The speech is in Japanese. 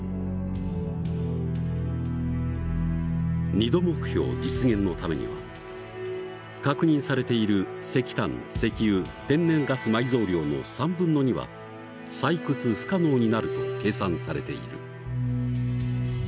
２℃目標実現のためには確認されている石炭石油天然ガス埋蔵量の３分の２は採掘不可能になると計算されている。